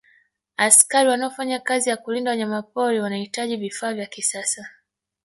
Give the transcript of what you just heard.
askari wanaofanya kazi ya kulinda wanyamapori wanahitaji vifaa vya kisasa